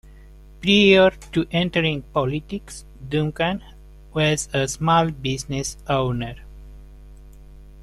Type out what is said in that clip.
Prior to entering politics, Duncan was a small business owner.